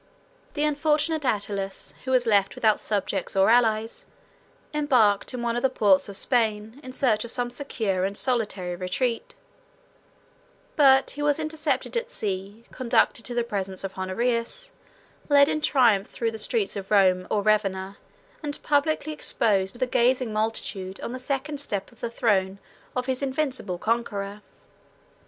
The unfortunate Attalus, who was left without subjects or allies, embarked in one of the ports of Spain, in search of some secure and solitary retreat: but he was intercepted at sea, conducted to the presence of Honorius, led in triumph through the streets of Rome or Ravenna, and publicly exposed to the gazing multitude, on the second step of the throne of his invincible conqueror.